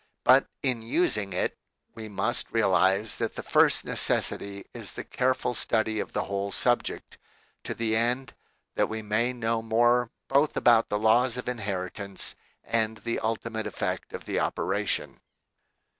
But in using it, we must realize that the first necessity is the careful study of the whole subject, to the end that we may know more both about the ii6 THE KALLIKAK FAMILY laws of inheritance and the ultimate effect of the operation.